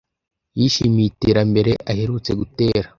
Yishimiye iterambere aherutse gutera.